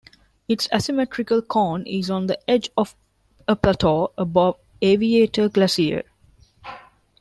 Its asymmetrical cone is on the edge of a plateau above Aviator Glacier.